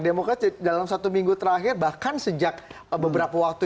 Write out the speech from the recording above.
demokrat dalam satu minggu terakhir bahkan sejak beberapa waktu